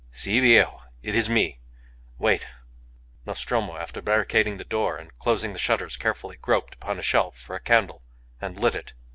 "Si, viejo. It is me. Wait." Nostromo, after barricading the door and closing the shutters carefully, groped upon a shelf for a candle, and lit it.